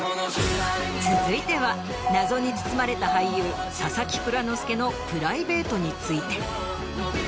続いては謎に包まれた俳優佐々木蔵之介のプライベートについて。